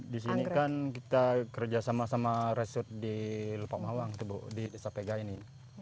di sini kan kita kerja sama sama resurs di lepakmawang di sapega ini